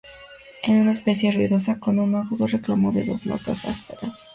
Es una especie ruidosa, con un agudo reclamo de dos notas ásperas.